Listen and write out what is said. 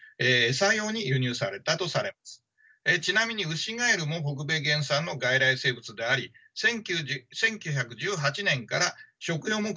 ちなみにウシガエルも北米原産の外来生物であり１９１８年から食用目的で輸入され始めました。